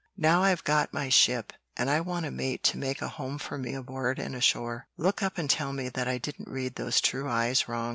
Now I've got my ship, and I want a mate to make a home for me aboard and ashore. Look up and tell me that I didn't read those true eyes wrong."